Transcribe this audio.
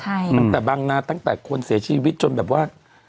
ตั้งแต่บางนาตั้งแต่คนเสียชีวิตจนแบบว่า